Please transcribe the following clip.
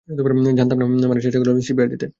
জানতাম না মানে চেষ্টা করেছিলাম সিপিআর দিতে।